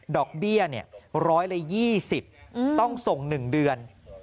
ดอกเบี้ยเนี่ยร้อยเลยยี่สิบต้องส่งหนึ่งเดือน